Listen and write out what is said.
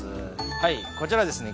はいこちらはですね